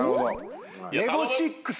ネゴシックス。